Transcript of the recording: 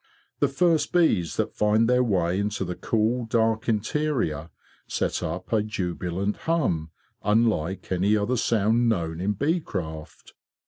The first bees that find their way into the cool dark interior set up a jubilant hum unlike any other sound known in beecraft.